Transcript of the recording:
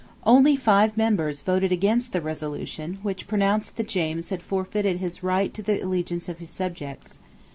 Only five members voted against the resolution which pronounced that James had forfeited his right to the allegiance of his subjects.